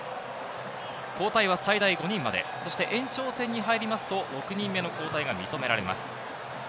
交代は最大で５人まで、延長戦に入りますと、６人目の交代が認められます。